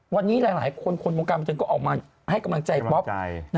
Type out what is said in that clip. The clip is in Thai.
วันนี้หลายคนคนวงการบันเทิงก็ออกมาให้กำลังใจป๊อป